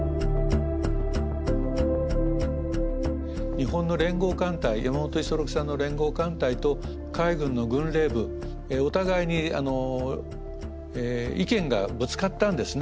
日本の連合艦隊山本五十六さんの連合艦隊と海軍の軍令部お互いに意見がぶつかったんですね。